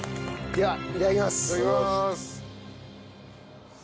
いただきます。